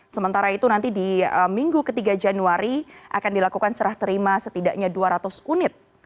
sementara itu nanti di minggu ketiga januari akan dilakukan serah terima setidaknya dua ratus unit